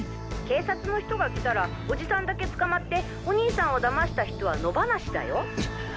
警察の人が来たらおじさんだけ捕まってお兄さんを騙した人は野放しだよ。